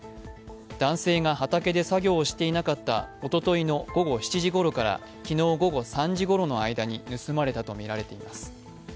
男性が畑で作業をしていなかったおとといの午後７時ごろから昨日午後３時ごろの間に盗まれたとみられています。